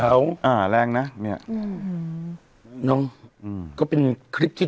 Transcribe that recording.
ปรากฏว่าจังหวัดที่ลงจากรถ